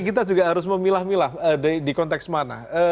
kita juga harus memilah milah di konteks mana